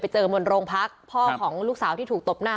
เจอบนโรงพักพ่อของลูกสาวที่ถูกตบหน้า